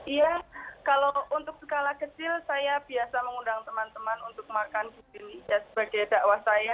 iya kalau untuk skala kecil saya biasa mengundang teman teman untuk makan di sini sebagai dakwah saya